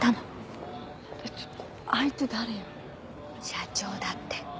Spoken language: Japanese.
社長だって。